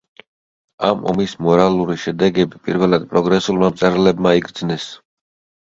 ამ ომის მორალური შედეგები პირველად პროგრესულმა მწერლებმა იგრძნეს.